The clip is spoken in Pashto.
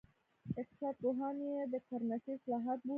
اقتصاد پوهان یې د کرنسۍ اصلاحات بولي.